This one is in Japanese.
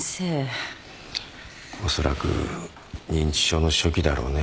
おそらく認知症の初期だろうね。